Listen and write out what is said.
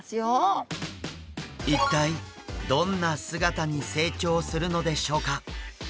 一体どんな姿に成長するのでしょうか？